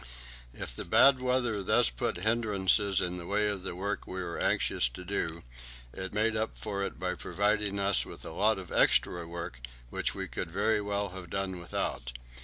If the bad weather thus put hindrances in the way of the work we were anxious to do, it made up for it by providing us with a lot of extra work which we could very well have done without.